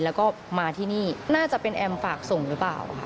แล้วก็มาที่นี่น่าจะเป็นแอมฝากส่งหรือเปล่าค่ะ